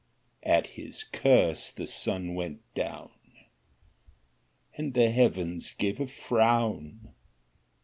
At his curse the sun went down, And the heavens gave a frown.